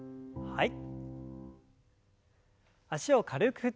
はい。